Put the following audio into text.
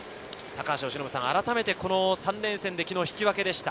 あらためて３連戦で昨日引き分けでした。